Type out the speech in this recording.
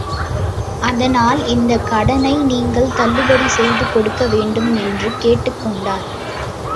அதனால் இந்தக் கடனை நீங்கள் தள்ளுபடி செய்து கொடுக்க வேண்டும் என்று கேட்டுக் கொண்டார்.